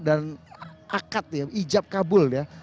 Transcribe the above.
dan akad ya ijab kabul ya